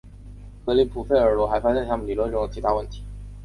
格里普和费尔罗还发现了他们理论中的其他问题。